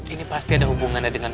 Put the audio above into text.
ini pasti ada hubungannya dengan